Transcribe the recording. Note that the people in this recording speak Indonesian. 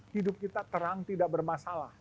hidup kita terang tidak bermasalah